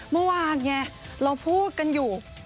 เมื่อวานไงเราพูดกันอยู่